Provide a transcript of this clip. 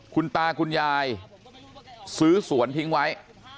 คุณตาคุณยายซื้อสวนทิ้งไว้